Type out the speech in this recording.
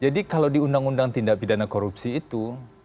jadi kalau di undang undang tindak pidana korupsi itu